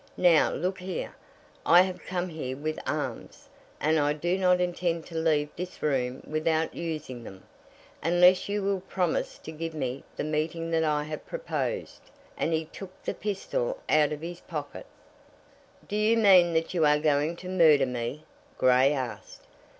Now, look here. I have come here with arms, and I do not intend to leave this room without using them, unless you will promise to give me the meeting that I have proposed." And he took the pistol out of his pocket. "Do you mean that you are going to murder me?" Grey asked.